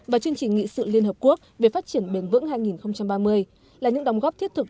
và chương trình nghị sự liên hợp quốc về phát triển bền vững hai nghìn ba mươi là những đóng góp thiết thực